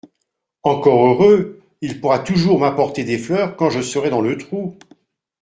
Encore heureux ! Il pourra toujours m’apporter des fleurs quand je serai dans le trou